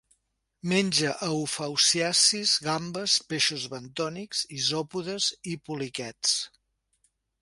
Menja eufausiacis, gambes, peixos bentònics, isòpodes i poliquets.